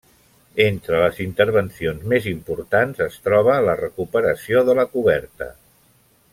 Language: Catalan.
Entre les intervencions més importants es troba la recuperació de la coberta.